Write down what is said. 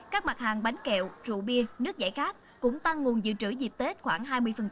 các mặt hàng bánh kẹo rượu bia nước giải khác cũng tăng nguồn dự trữ dịp tết khoảng hai mươi